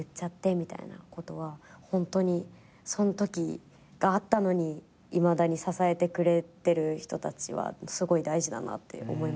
ホントにそんときがあったのにいまだに支えてくれてる人たちはすごい大事だなって思いますけど。